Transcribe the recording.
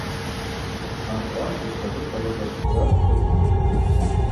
Акъваш йхъазыта лыгажвдзакӏ дыквын.